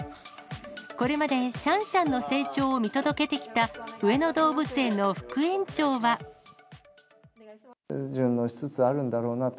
これまでシャンシャンの成長を見届けてきた、上野動物園の副園長順応しつつあるんだろうなと。